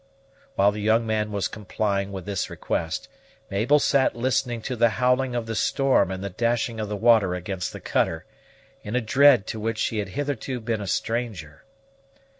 While the young man was complying with this request, Mabel sat listening to the howling of the storm and the dashing of the water against the cutter, in a dread to which she had hitherto been a stranger.